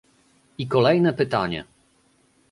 I kolejne pytanie